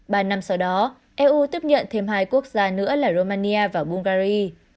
ba năm sau đó eu tiếp nhận thêm hai quốc gia nữa là romania và bungary